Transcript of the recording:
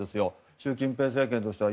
習近平政権としては。